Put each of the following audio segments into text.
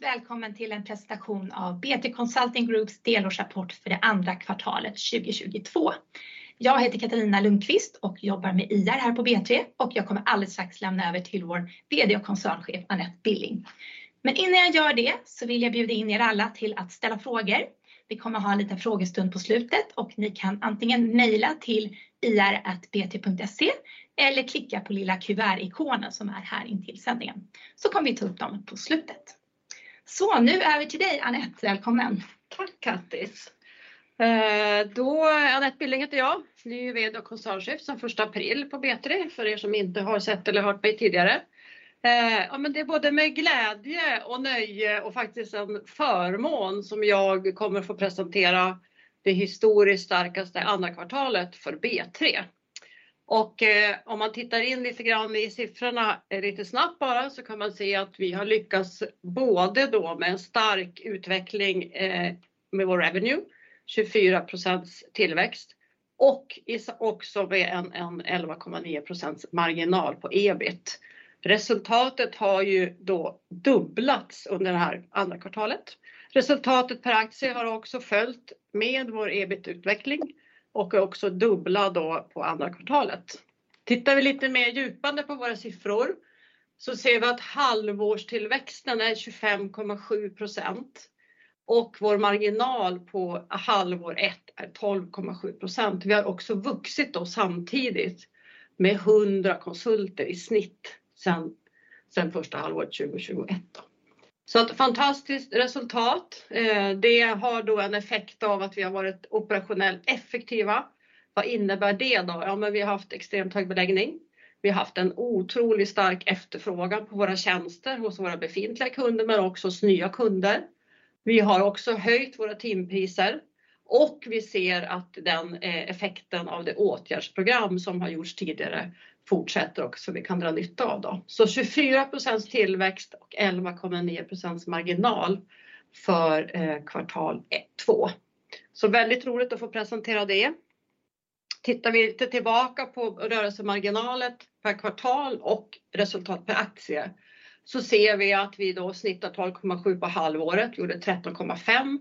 Välkommen till en presentation av B3 Consulting Groups delårsrapport för det andra kvartalet 2022. Jag heter Katarina Lundqvist och jobbar med IR här på B3. Jag kommer alldeles strax lämna över till vår VD och koncernchef Anette Billing. Innan jag gör det vill jag bjuda in er alla till att ställa frågor. Vi kommer att ha en liten frågestund på slutet och ni kan antingen maila till ir@b3.se eller klicka på lilla kuvertikonen som är här intill sändningen. Vi kommer ta upp dem på slutet. Nu över till dig Anette. Välkommen! Tack Kattis. Anette Billing heter jag, ny VD och koncernchef sen första april på B3 för er som inte har sett eller hört mig tidigare. Ja men det är både med glädje och nöje och faktiskt en förmån som jag kommer få presentera det historiskt starkaste andra kvartalet för B3. Om man tittar lite grann i siffrorna lite snabbt bara så kan man se att vi har lyckats både då med en stark utveckling med vår revenue, 24% tillväxt och också med en 11.9% marginal på EBIT. Resultatet har ju då dubblats under det här andra kvartalet. Resultatet per aktie har också följt med vår EBIT-utveckling och är också dubbla då på andra kvartalet. Tittar vi lite mer djupare på våra siffror så ser vi att halvårstillväxten är 25.7% och vår marginal på halvår ett är 12.7%. Vi har också vuxit då samtidigt med 100 konsulter i snitt sen första halvåret 2021 då. Så ett fantastiskt resultat. Det har då en effekt av att vi har varit operationellt effektiva. Vad innebär det då? Ja men vi har haft extremt hög beläggning. Vi har haft en otrolig stark efterfrågan på våra tjänster hos våra befintliga kunder, men också hos nya kunder. Vi har också höjt våra timpriser och vi ser att den effekten av det åtgärdsprogram som har gjorts tidigare fortsätter också. Vi kan dra nytta av dem. Så 24% tillväxt och 11.9% marginal för kvartal ett, två. Så väldigt roligt att få presentera det. Tittar vi lite tillbaka på rörelsemarginalet per kvartal och resultat per aktie så ser vi att vi snittar 12.7% på halvåret, gjorde 13.5%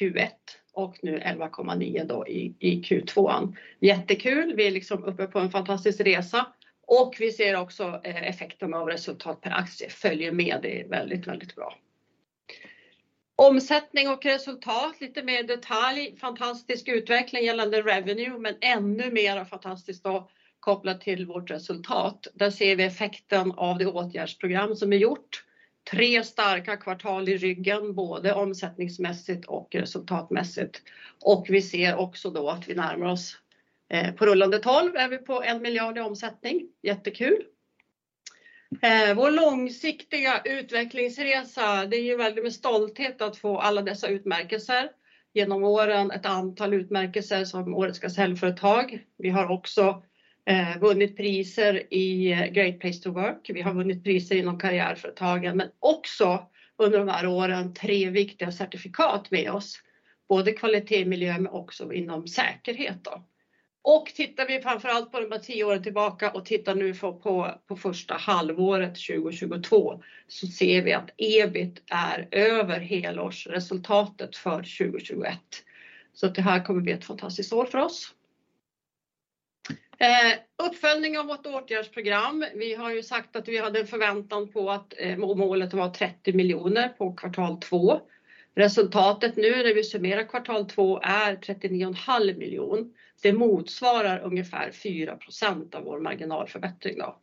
Q1 och nu 11.9% i Q2. Jättekul, vi är liksom uppe på en fantastisk resa och vi ser också effekten av resultat per aktie följer med. Det är väldigt bra. Omsättning och resultat, lite mer detalj. Fantastisk utveckling gällande revenue, men ännu mera fantastiskt att koppla till vårt resultat. Där ser vi effekten av det åtgärdsprogram som är gjort. Tre starka kvartal i ryggen, både omsättningsmässigt och resultatmässigt. Vi ser också att vi närmar oss på rullande tolv är vi på 1 billion i omsättning. Jättekul. Vår långsiktiga utvecklingsresa, det är ju väldigt med stolthet att få alla dessa utmärkelser. Genom åren ett antal utmärkelser som Årets Gasellföretag. Vi har också vunnit priser i Great Place to Work. Vi har vunnit priser inom Karriärföretagen, men också under de här åren tre viktiga certifikat med oss, både kvalitet, miljö men också inom säkerhet då. Tittar vi framför allt på de här 10 åren tillbaka och tittar nu på första halvåret 2022 så ser vi att EBIT är över helårsresultatet för 2021. Det här kommer att bli ett fantastiskt år för oss. Uppföljning av vårt åtgärdsprogram. Vi har ju sagt att vi hade en förväntan på att målet var 30 miljoner på kvartal två. Resultatet nu när vi summerar kvartal två är 39.5 miljon. Det motsvarar ungefär 4% av vår marginalförbättring då.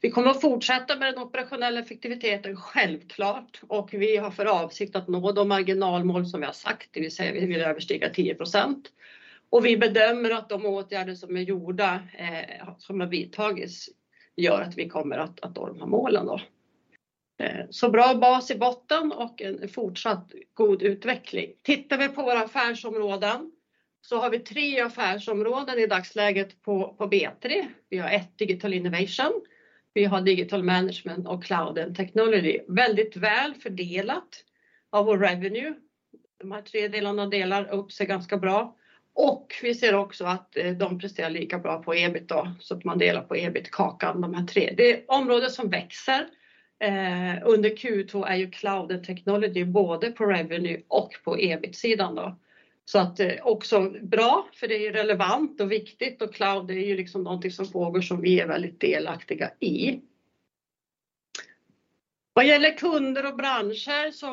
Vi kommer att fortsätta med den operationella effektiviteten självklart och vi har för avsikt att nå de marginalmål som vi har sagt, det vill säga vi vill överstiga 10%. Vi bedömer att de åtgärder som är gjorda som har vidtagits gör att vi kommer att nå de här målen då. Bra bas i botten och en fortsatt god utveckling. Tittar vi på våra affärsområden så har vi tre affärsområden i dagsläget på B3. Vi har ett Digital Experience & Solutions, vi har Digital Management och Cloud & Technology Platforms. Väldigt väl fördelat av vår revenue. De här tre delarna delar upp sig ganska bra och vi ser också att de presterar lika bra på EBIT då, så att man delar på EBIT-kakan de här tre. Det område som växer under Q2 är ju Cloud & Technology Platforms, både på revenue och på EBIT-sidan då. Att också bra för det är ju relevant och viktigt och cloud det är ju liksom någonting som pågår som vi är väldigt delaktiga i. Vad gäller kunder och branscher så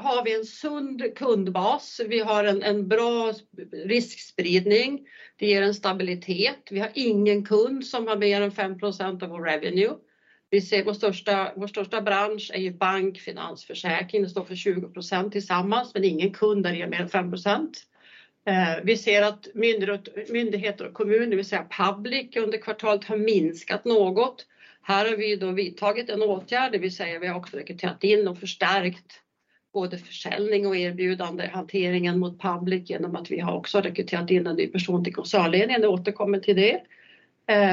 har vi en sund kundbas. Vi har en bra riskspridning. Det ger en stabilitet. Vi har ingen kund som har mer än 5% av vår revenue. Vi ser vår största bransch är ju bank, finans, försäkring. Det står för 20% tillsammans, men ingen kund är mer än 5%. Vi ser att myndigheter och kommuner, det vill säga public under kvartalet har minskat något. Här har vi då vidtagit en åtgärd, det vill säga vi har också rekryterat in och förstärkt både försäljning och erbjudande, hanteringen mot public igenom att vi har också rekryterat in en ny person till koncernledningen. Jag återkommer till det.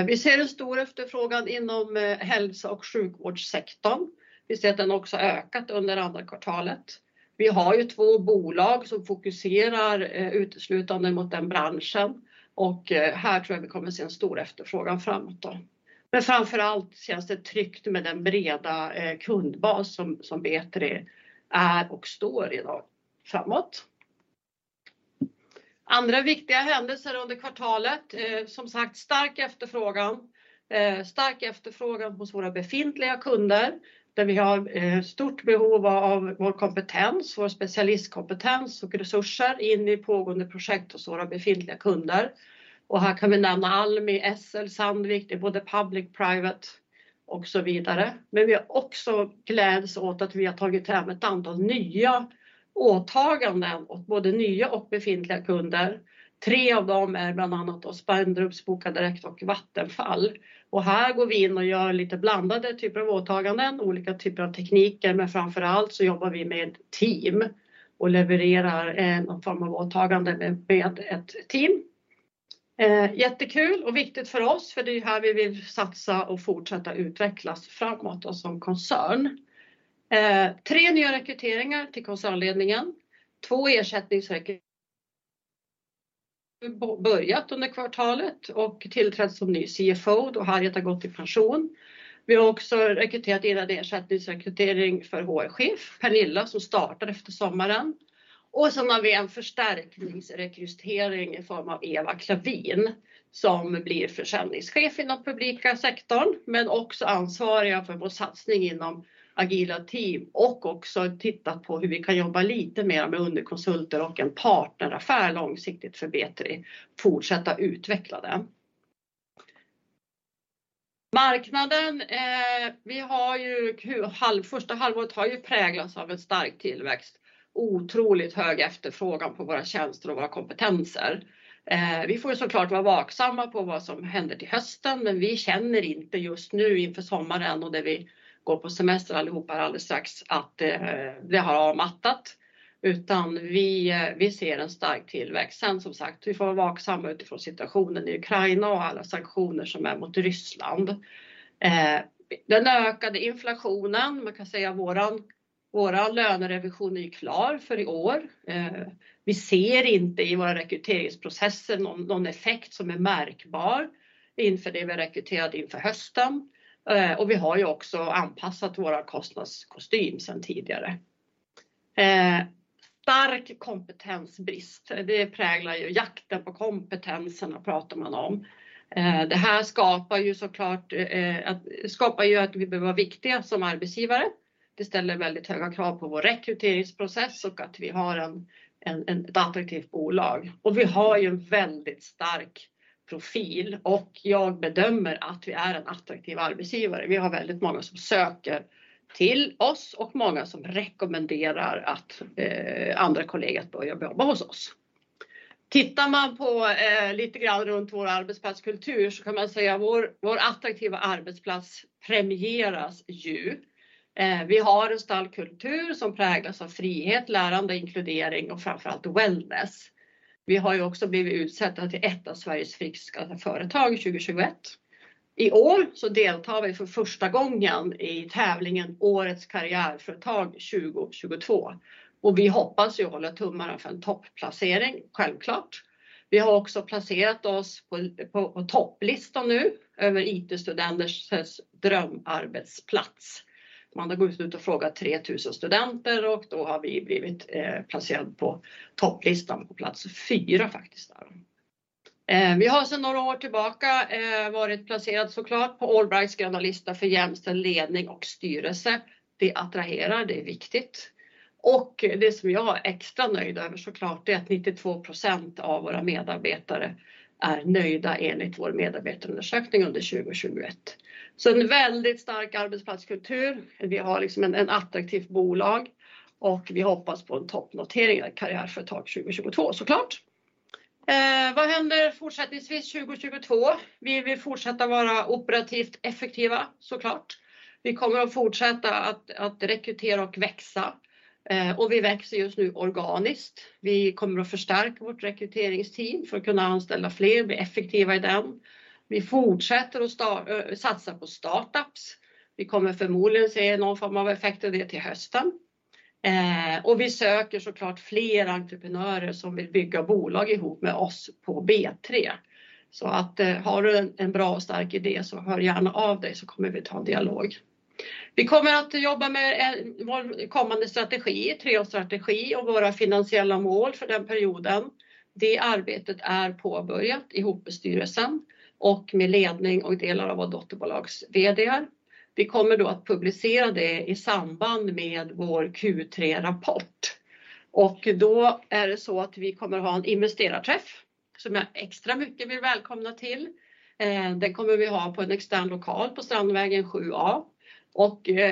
Vi ser en stor efterfrågan inom hälsa och sjukvårdssektorn. Vi ser att den också ökat under andra kvartalet. Vi har ju två bolag som fokuserar uteslutande mot den branschen och här tror jag vi kommer att se en stor efterfrågan framåt då. Men framför allt känns det tryggt med den breda kundbas som B3 är och står i dag framåt. Andra viktiga händelser under kvartalet. Som sagt, stark efterfrågan hos våra befintliga kunder. Där vi har stort behov av vår kompetens, vår specialistkompetens och resurser in i pågående projekt hos våra befintliga kunder. Här kan vi nämna Almi, SL, Sandvik, det är både public, private och så vidare. Men vi har också gläds åt att vi har tagit hem ett antal nya åtaganden åt både nya och befintliga kunder. Tre av dem är bland annat då Spendrups, Bokadirekt och Vattenfall. Här går vi in och gör lite blandade typer av åtaganden, olika typer av tekniker, men framför allt så jobbar vi med team och levererar en form av åtagande med ett team. Jättekul och viktigt för oss för det är här vi vill satsa och fortsätta utvecklas framåt då som koncern. 3 nya rekryteringar till koncernledningen. 2 ersättningsrekryteringar har börjat under kvartalet och tillträtt som ny CFO då Harriet har gått i pension. Vi har också rekryterat en ersättningsrekrytering för HR-chef, Pernilla, som startar efter sommaren. Sen har vi en förstärkningsrekrytering i form av Eva Klawin som blir försäljningschef inom publika sektorn, men också ansvarig för vår satsning inom agila team och också tittar på hur vi kan jobba lite mer med underkonsulter och en partneraffär långsiktigt för B3, fortsätta utveckla det. Marknaden, vi har ju första halvåret har ju präglats av en stark tillväxt, otroligt hög efterfrågan på våra tjänster och våra kompetenser. Vi får så klart vara vaksamma på vad som händer till hösten, men vi känner inte just nu inför sommaren och det vi går på semester allihop här alldeles strax att det har avmattat, utan vi ser en stark tillväxt. Sen som sagt, vi får vara vaksamma utifrån situationen i Ukraina och alla sanktioner som är mot Ryssland. Den ökade inflationen, man kan säga våran lönerevision är ju klar för i år. Vi ser inte i våra rekryteringsprocesser någon effekt som är märkbar inför det vi rekryterat inför hösten. Och vi har ju också anpassat vår kostnadskostym sedan tidigare. Stark kompetensbrist. Det präglar ju jakten på kompetenserna pratar man om. Det här skapar ju så klart att vi behöver vara viktiga som arbetsgivare. Det ställer väldigt höga krav på vår rekryteringsprocess och att vi har ett attraktivt bolag. Vi har ju en väldigt stark profil och jag bedömer att vi är en attraktiv arbetsgivare. Vi har väldigt många som söker till oss och många som rekommenderar att andra kollegor börja jobba hos oss. Tittar man på lite grann runt vår arbetsplatskultur så kan man säga vår attraktiva arbetsplats premieras ju. Vi har en stark kultur som präglas av frihet, lärande, inkludering och framför allt wellness. Vi har ju också blivit utsett till ett av Sveriges friskaste företag 2021. I år så deltar vi för första gången i tävlingen Årets Karriärföretag 2022. Vi hoppas ju och håller tummarna för en topplacering. Självklart. Vi har också placerat oss på topplistan nu över IT-studenters drömarbetsplats. Man har gått ut och frågat 3000 studenter och då har vi blivit placerat på topplistan på plats 4 faktiskt där. Vi har sedan några år tillbaka varit placerad så klart på Allbrights gröna lista för jämställd ledning och styrelse. Det attraherar, det är viktigt. Det som jag är extra nöjd över så klart är att 92% av våra medarbetare är nöjda enligt vår medarbetarundersökning under 2021. En väldigt stark arbetsplatskultur. Vi har liksom ett attraktivt bolag och vi hoppas på en toppnotering i Karriärföretagen 2022 så klart. Vad händer fortsättningsvis 2022? Vi vill fortsätta vara operativt effektiva så klart. Vi kommer att fortsätta att rekrytera och växa, och vi växer just nu organiskt. Vi kommer att förstärka vårt rekryteringsteam för att kunna anställa fler, bli effektiva i den. Vi fortsätter att satsa på startups. Vi kommer förmodligen se någon form av effekt av det till hösten. Vi söker så klart fler entreprenörer som vill bygga bolag ihop med oss på B3. Har du en bra och stark idé så hör gärna av dig så kommer vi ta en dialog. Vi kommer att jobba med vår kommande strategi, treårsstrategi och våra finansiella mål för den perioden. Det arbetet är påbörjat ihop med styrelsen och med ledning och delar av vår dotterbolags VD:ar. Vi kommer då att publicera det i samband med vår Q3-rapport. Vi kommer att ha en investerarträff som jag extra mycket vill välkomna till. Den kommer vi ha på en extern lokal på Strandvägen 7A.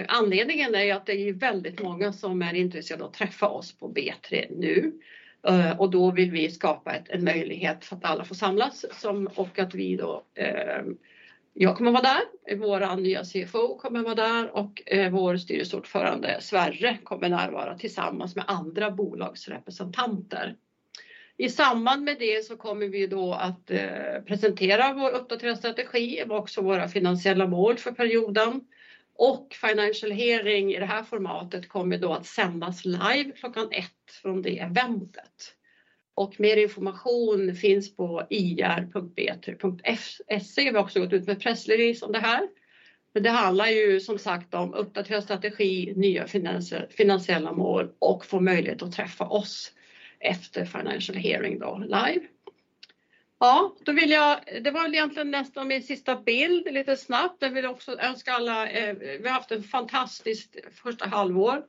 Anledningen är att det är väldigt många som är intresserade att träffa oss på B3 nu. Då vill vi skapa ett, en möjlighet för att alla får samlas. Att vi då, jag kommer att vara där, våran nya CFO kommer att vara där och vår styrelseordförande Sverre kommer närvara tillsammans med andra bolagsrepresentanter. I samband med det så kommer vi då att presentera vår uppdaterade strategi och också våra finansiella mål för perioden och financial hearing i det här formatet kommer då att sändas live klockan ett från det eventet. Mer information finns på ir.b3.se. Vi har också gått ut med press release om det här. Det handlar ju som sagt om uppdaterad strategi, nya finansiella mål och få möjlighet att träffa oss efter financial hearing då live. Ja, då vill jag, det var väl egentligen nästan min sista bild, lite snabbt. Jag vill också önska alla vi haft ett fantastiskt första halvår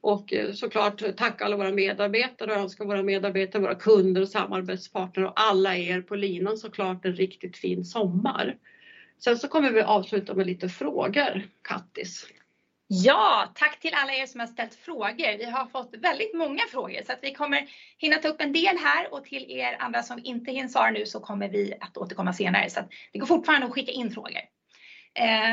och så klart tacka alla våra medarbetare och önska våra medarbetare, våra kunder och samarbetspartner och alla er på linan så klart en riktigt fin sommar. Vi kommer avsluta med lite frågor, Kattis. Ja, tack till alla er som har ställt frågor. Vi har fått väldigt många frågor så att vi kommer hinna ta upp en del här och till er andra som inte hinns med nu så kommer vi att återkomma senare. Så att det går fortfarande att skicka in frågor.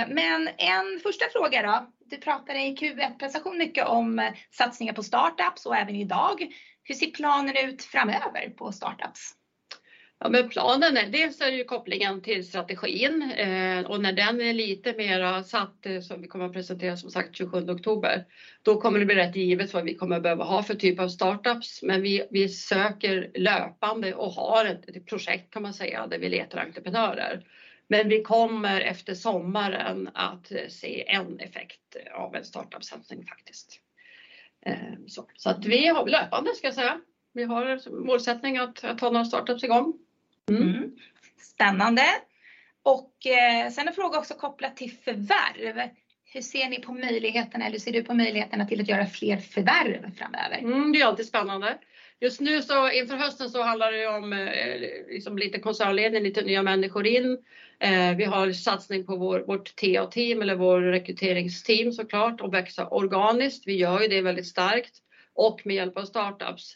Men en första fråga då. Du pratade i Q1-presentation mycket om satsningar på start-ups och även i dag. Hur ser planen ut framöver på start-ups? Planen är, dels är det ju kopplingen till strategin, och när den är lite mer satt som vi kommer att presentera som sagt 27 oktober, då kommer det bli rätt givet vad vi kommer att behöva ha för typ av start-ups. Men vi söker löpande och har ett projekt kan man säga, där vi letar entreprenörer. Men vi kommer efter sommaren att se en effekt av en startup-satsning faktiskt. Så att vi har löpande ska jag säga. Vi har målsättning att ha några start-ups i gång. Spännande. En fråga också kopplat till förvärv. Hur ser ni på möjligheterna eller hur ser du på möjligheterna till att göra fler förvärv framöver? Det är alltid spännande. Just nu inför hösten handlar det om, liksom lite koncernledning, lite nya människor in. Vi har satsning på vårt TA-team eller vår rekryteringsteam så klart och växa organiskt. Vi gör ju det väldigt starkt och med hjälp av start-ups.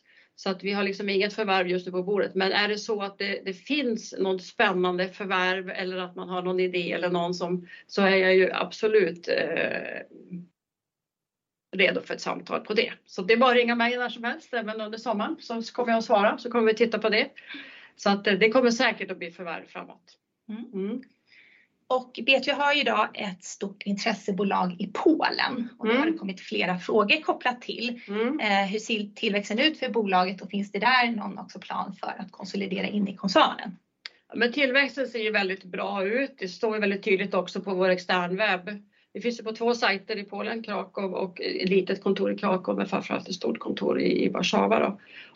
Vi har liksom inget förvärv just nu på bordet. Men är det så att det finns något spännande förvärv eller att man har någon idé eller någon som, så är jag ju absolut redo för ett samtal på det. Det är bara att ringa mig närsomhelst, även under sommaren, så kommer jag svara, så kommer vi titta på det. Det kommer säkert att bli förvärv framåt. B3 har ju i dag ett stort intressebolag i Polen och det har kommit flera frågor kopplat till. Hur ser tillväxten ut för bolaget och finns det där någon också plan för att konsolidera in i koncernen? Tillväxten ser ju väldigt bra ut. Det står ju väldigt tydligt också på vår externwebb. Vi finns ju på två sites i Polen, Kraków och ett litet kontor i Kraków, men framför allt ett stort kontor i Warszawa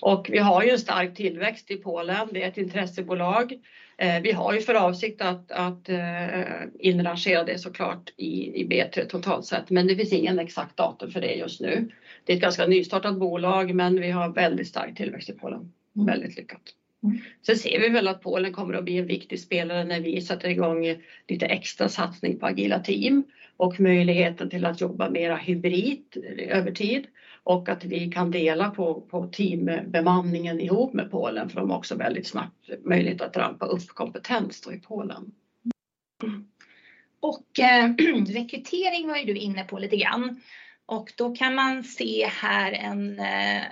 då. Vi har ju en stark tillväxt i Polen. Det är ett intressebolag. Vi har ju för avsikt att integrera det så klart i B3 totalt sett, men det finns ingen exakt datum för det just nu. Det är ett ganska nystartat bolag, men vi har väldigt stark tillväxt i Polen. Väldigt lyckat. Ser vi väl att Polen kommer att bli en viktig spelare när vi sätter i gång lite extra satsning på agila team och möjligheten till att jobba mera hybrid över tid och att vi kan dela på teambemannningen ihop med Polen, för de har också väldigt snabbt möjligt att rampa upp kompetens då i Polen. Rekrytering var ju du inne på lite grann och då kan man se här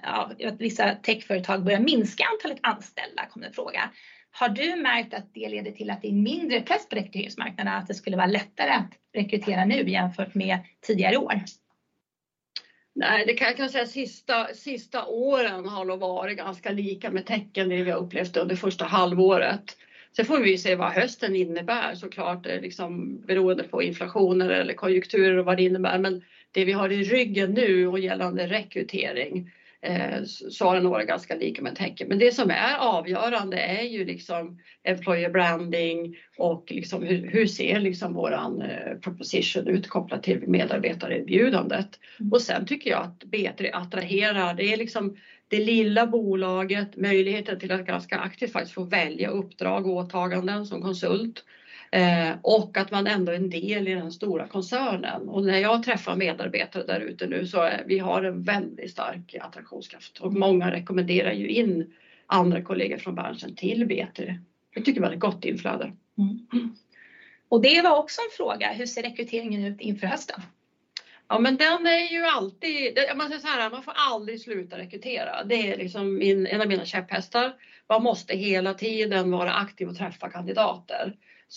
att vissa techföretag börjar minska antalet anställda, kom det en fråga. Har du märkt att det leder till att det är mindre press på rekryteringsmarknaden? Att det skulle vara lättare att rekrytera nu jämfört med tidigare år? Nej, det kan jag säga, sista åren har nog varit ganska lika med tecken på det vi har upplevt under första halvåret. Sen får vi se vad hösten innebär så klart, liksom beroende på inflationen eller konjunkturer och vad det innebär. Men det vi har i ryggen nu och gällande rekrytering, så har det varit ganska lika med tecken på. Men det som är avgörande är ju liksom employer branding och liksom hur ser liksom vår proposition ut kopplat till medarbetarerbjudandet. Och sen tycker jag att B3 attraherar. Det är liksom det lilla bolaget, möjligheten till att ganska aktivt faktiskt få välja uppdrag och åtaganden som konsult, och att man ändå är en del i den stora koncernen. Och när jag träffar medarbetare där ute nu så vi har en väldigt stark attraktionskraft och många rekommenderar ju in andra kollegor från branschen till B3. Jag tycker vi har ett gott inflöde. Det var också en fråga: hur ser rekryteringen ut inför hösten? Om man säger så här, man får aldrig sluta rekrytera. Det är liksom min, en av mina käpphästar. Man måste hela tiden vara aktiv och träffa kandidater.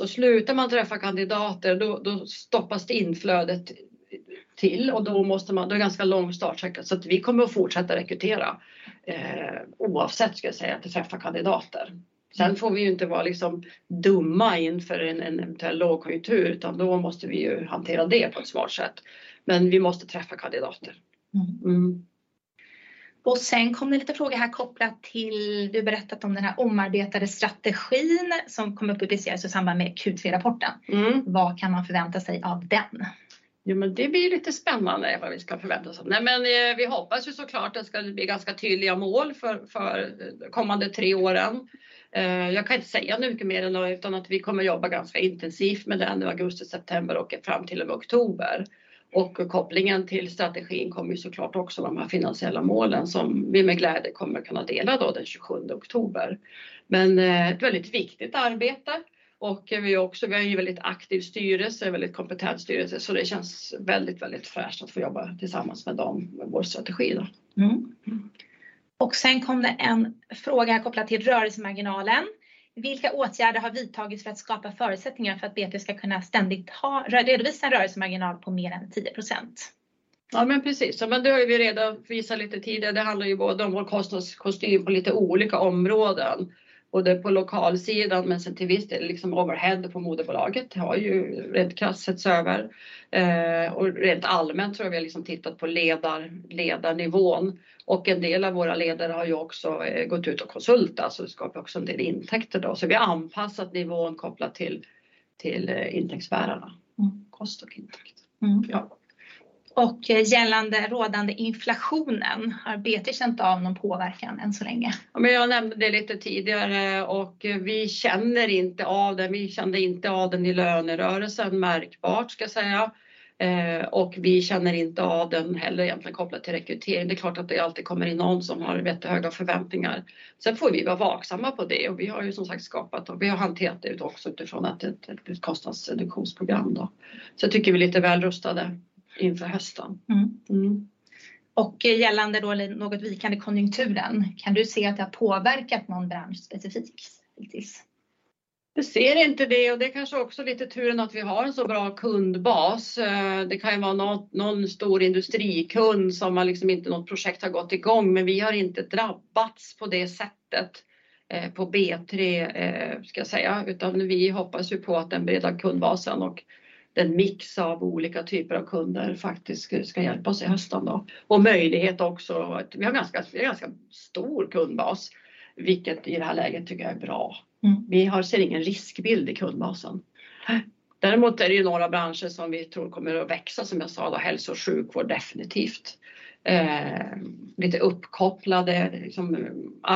Slutar man träffa kandidater, då stoppas det inflödet till och då måste man, då är det ganska lång startsträcka. Att vi kommer att fortsätta rekrytera, oavsett skulle jag säga, att träffa kandidater. Får vi ju inte vara liksom dumma inför en eventuell lågkonjunktur, utan då måste vi ju hantera det på ett smart sätt. Vi måste träffa kandidater. kom det lite frågor här kopplat till, du berättat om den här omarbetade strategin som kommer publiceras i samband med Q3-rapporten. Vad kan man förvänta sig av den? Det blir lite spännande vad vi ska förvänta oss av. Vi hoppas ju så klart att det ska bli ganska tydliga mål för kommande 3 åren. Jag kan inte säga mycket mer än att vi kommer att jobba ganska intensivt med den i augusti, september och fram till och med oktober. Kopplingen till strategin kommer ju så klart också de här finansiella målen som vi med glädje kommer kunna dela då den 27 oktober. Ett väldigt viktigt arbete och vi också, vi har ju väldigt aktiv styrelse, väldigt kompetent styrelse, så det känns väldigt fräscht att få jobba tillsammans med dem med vår strategi då. Sen kom det en fråga kopplat till rörelsemarginalen. Vilka åtgärder har vidtagits för att skapa förutsättningar för att B3 ska kunna ständigt ha redovisa en rörelsemarginal på mer än 10%? Ja, men precis. Det har vi redan visat lite tidigare. Det handlar ju både om vår kostnadsstruktur på lite olika områden. Både på lokalsidan men sen till viss del liksom overhead på moderbolaget har ju rätt krasst sett över. Rent allmänt tror jag vi liksom tittat på ledarnivån och en del av våra ledare har ju också gått ut och konsulterat, alltså skapar också en del intäkter då. Vi har anpassat nivån kopplat till intäktsbärarna. Kost och intäkt. Gällande rådande inflationen, har B3 känt av någon påverkan än så länge? Jag nämnde det lite tidigare och vi känner inte av den. Vi kände inte av den i lönerörelsen märkbart, ska jag säga. Vi känner inte av den heller egentligen kopplat till rekrytering. Det är klart att det alltid kommer in någon som har jättehöga förväntningar. Vi får vara vaksamma på det och vi har ju som sagt skapat och vi har hanterat det också utifrån ett kostnadsreduktionsprogram. Jag tycker vi är lite väl rustade inför hösten. Gällande då något vikande konjunkturen, kan du se att det har påverkat någon bransch specifikt lite grann? Jag ser inte det och det är kanske också lite turen att vi har en så bra kundbas. Det kan ju vara nån stor industrikund som har liksom inte något projekt som har gått igång, men vi har inte drabbats på det sättet på B3 ska jag säga. Vi hoppas ju på att den breda kundbasen och den mix av olika typer av kunder faktiskt ska hjälpa oss i höstan då. Möjlighet också. Vi har ganska stor kundbas, vilket i det här läget tycker jag är bra. Vi ser ingen riskbild i kundbasen. Däremot är det ju några branscher som vi tror kommer att växa. Som jag sa då, hälsa och sjukvård definitivt. Lite uppkopplade, liksom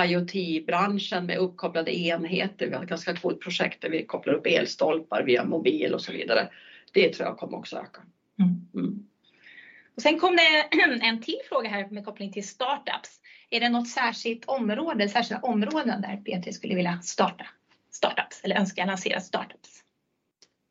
IoT-branschen med uppkopplade enheter. Vi har ett ganska stort projekt där vi kopplar upp elstolpar via mobil och så vidare. Det tror jag kommer också öka. Kom det en till fråga här med koppling till startups. Är det något särskilt område, särskilda områden där B3 skulle vilja starta startups eller önska lansera startups?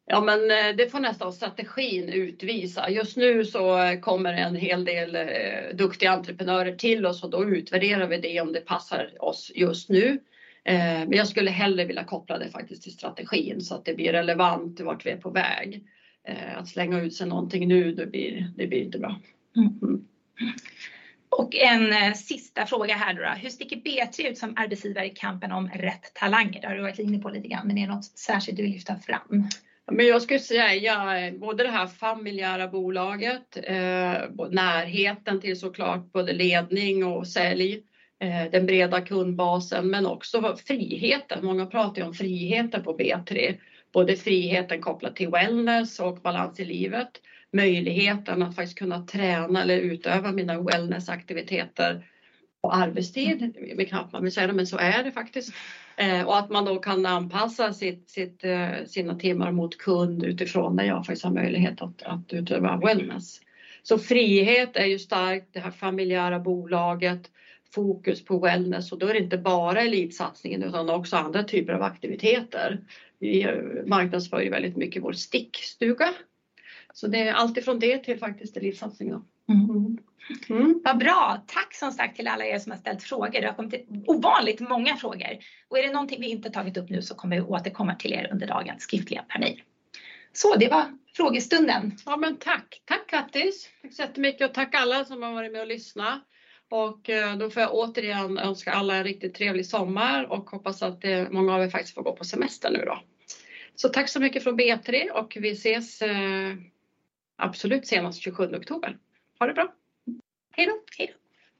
Ja men det får nästan strategin utvisa. Just nu så kommer en hel del duktiga entreprenörer till oss och då utvärderar vi det om det passar oss just nu. Men jag skulle hellre vilja koppla det faktiskt till strategin så att det blir relevant vart vi är på väg. Att slänga ut sig någonting nu, det blir inte bra. En sista fråga här då. Hur sticker B3 ut som arbetsgivare i kampen om rätt talanger? Det har du varit inne på lite grann, men är det något särskilt du vill lyfta fram? Jag skulle säga både det här familjära bolaget, närheten till så klart både ledning och sälj, den breda kundbasen, men också friheten. Många pratar ju om friheten på B3. Både friheten kopplat till wellness och balans i livet. Möjligheten att faktiskt kunna träna eller utöva mina wellness-aktiviteter på arbetstid. Man vill säga, men så är det faktiskt. Och att man då kan anpassa sina timmar mot kund utifrån när jag faktiskt har möjlighet att utöva wellness. Så frihet är ju starkt, det här familjära bolaget, fokus på wellness och då är det inte bara elitsatsningen utan också andra typer av aktiviteter. Vi marknadsför ju väldigt mycket vår stickstuga. Så det är alltifrån det till faktiskt elitsatsningen. Vad bra. Tack som sagt till alla er som har ställt frågor. Det har kommit ovanligt många frågor. är det någonting vi inte tagit upp nu så kommer vi återkomma till er under dagen skriftligen per mejl. det var frågestunden. Ja men tack. Tack Kattis. Tack så jättemycket och tack alla som har varit med och lyssnat. Och då får jag återigen önska alla en riktigt trevlig sommar och hoppas att många av er faktiskt får gå på semester nu då. Så tack så mycket från B3 och vi ses absolut senast 27 oktober. Ha det bra. Hejdå. Hejdå.